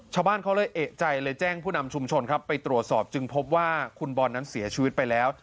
ชาวบ้านเขาเลยเอกใจเลยแจ้งผู้นำชุมชนครับไปตรวจสอบจึงพบว่าคุณบอลนั้นเสียชีวิตไปแล้ว